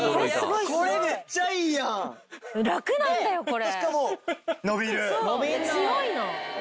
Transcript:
楽なんだよこれ。